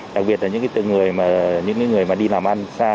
đặc biệt là những người đi làm ăn xa